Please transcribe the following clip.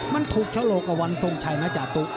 มันถูกชะโลกวันท์ทรงชัยมาจากตุ๊ก